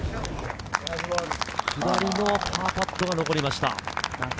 左のパーパットが残りました。